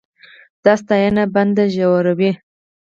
دا ستاینه بند ژوروي.